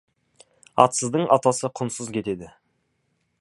Атсыздың атасы құнсыз кетеді.